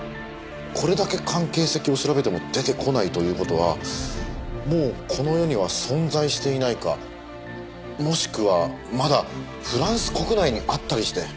これだけ関係先を調べても出てこないという事はもうこの世には存在していないかもしくはまだフランス国内にあったりして。